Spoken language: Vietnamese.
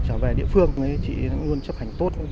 trở về địa phương chị luôn chấp hành tốt